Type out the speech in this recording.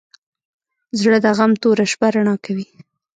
زړه د غم توره شپه رڼا کوي.